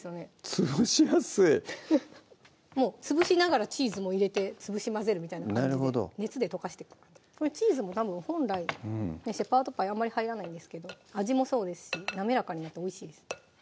潰しやすいもう潰しながらチーズも入れて潰し混ぜるみたいな感じで熱で溶かしてくチーズもたぶん本来シェパーズパイあんまり入らないんですけど味もそうですし滑らかになっておいしいです